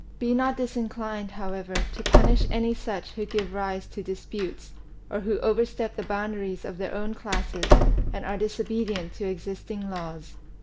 Be not disinclined, however, to punish any such who give rise to disputes, or who overstep the boundaries of their own classes and are disobedient to existing laws."